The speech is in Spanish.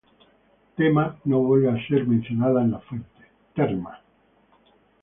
Terma no vuelve a ser mencionada en las fuentes.